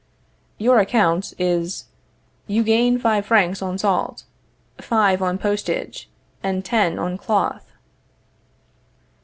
Your account is you gain five francs on salt, five on postage, and ten on cloth.